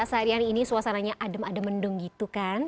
seharian ini suasananya adem adem mendung gitu kan